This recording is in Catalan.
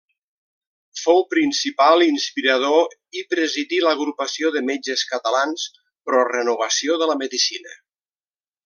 Fou principal inspirador i presidí l'Agrupació de Metges Catalans pro Renovació de la Medicina.